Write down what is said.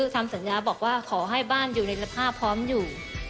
ทำสัญญาบอกว่าขอให้บ้านอยู่ในสภาพพร้อมอยู่